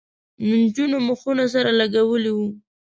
نجونو مخونه سره لگولي وو.